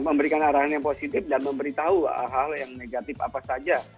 memberikan arahan yang positif dan memberitahu hal hal yang negatif apa saja